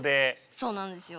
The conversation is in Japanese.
そうなんですよ。